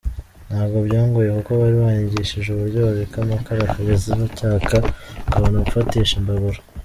Ntabwo byangoye kuko bari banyigishije uburyo babika amakara akageza ejo acyaka ukabona gufatisha imbabura.